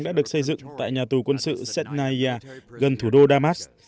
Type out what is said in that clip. đã được xây dựng tại nhà tù quân sự sernaya gần thủ đô damas